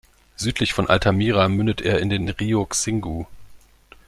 Südlich von Altamira mündet er in den Rio Xingu.